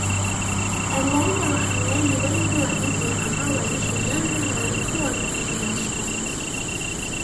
Aliwaita wahamiaji wengi wa India ambao waliishi Uganda na walikuwa wakifanya biashara